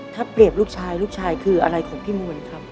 ถ้าเปรียบลูกชายลูกชายคืออะไรของพี่มวลครับ